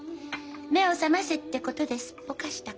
目を覚ませってことですっぽかしたか。